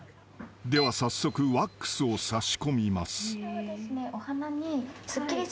［では早速ワックスを差し込みます］